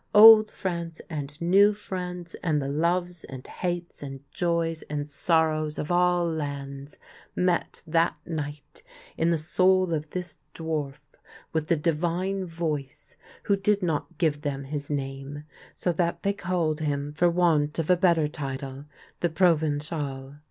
Old France and New France, and the loves and hates and joys and sorrows of all lands, met that night in the soul of this dwarf with the divine voice, who did not give thern his name, so that they called him, for want of a better title, the Provencal.